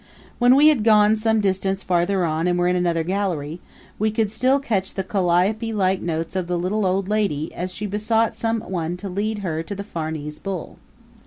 When we had gone some distance farther on and were in another gallery, we could still catch the calliope like notes of the little old lady, as she besought some one to lead her to the Farnese Bull.